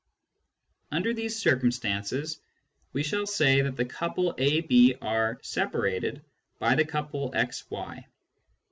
Under these circumstances we say that the couple (a, b) are " separated " by the couple (x, y).